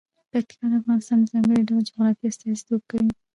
پکتیا د افغانستان د ځانګړي ډول جغرافیه استازیتوب کوي.